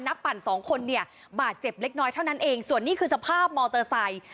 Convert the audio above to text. ปั่นสองคนเนี่ยบาดเจ็บเล็กน้อยเท่านั้นเองส่วนนี้คือสภาพมอเตอร์ไซค์